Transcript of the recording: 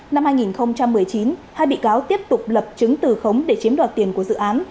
năm hai nghìn một mươi chín hai bị cáo tiếp tục lập chứng từ khống để chiếm đoạt tiền của dự án